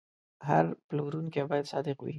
هر پلورونکی باید صادق وي.